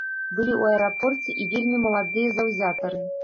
Былі ў аэрапорце і вельмі маладыя заўзятары.